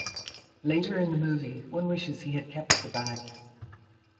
Later in the movie, one wishes he had kept the bag.